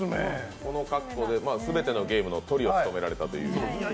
この格好で、全てのゲームのトリを務められたという。